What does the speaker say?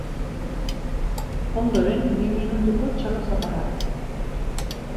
Ondoren, bi minutuko txalo zaparrada.